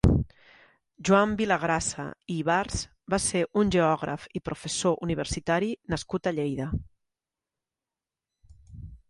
Joan Vilagrasa i Ibarz va ser un geògraf i professor universitari nascut a Lleida.